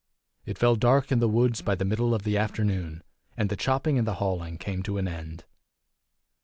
It fell dark in the woods by the middle of the afternoon, and the chopping and the hauling came to an end.